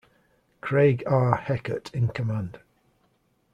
Craig R. Heckert in command.